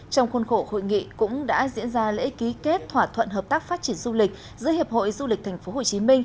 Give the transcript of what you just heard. trong khuôn khổ hội nghị cũng đã diễn ra lễ ký kết thỏa thuận hợp tác phát triển du lịch giữa hiệp hội du lịch tp hcm